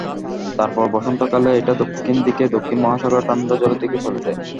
তারপর বসন্তকালে, এটা দক্ষিণ দিকে দক্ষিণ মহাসাগরের ঠান্ডা জলের দিকে চলে যায়।